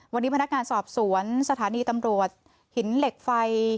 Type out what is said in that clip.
วันนี้พนักงานสอบสวนสถานีตำรวจหินเหล็กไฟ